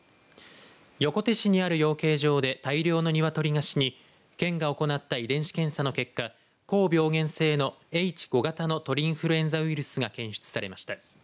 横手市にある養鶏場で大量のニワトリが死に県が行った遺伝子検査の結果高病原性のＨ５型の鳥インフルエンザウイルスが検出されました。